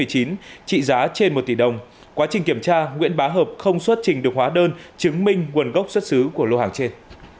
trị giá trị trên một tỷ đồng quá trình kiểm tra nguyễn bá hợp không xuất trình được hóa đơn chứng minh nguồn gốc xuất xứ của lô hàng trên